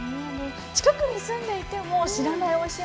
近くに住んでいても知らないおいしいもの